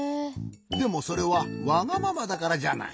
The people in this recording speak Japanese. でもそれはわがままだからじゃない。